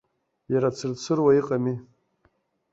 Иара цырцыруа иҟами.